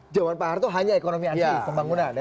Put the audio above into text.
zaman pak harto hanya ekonomi ansih pembangunan ya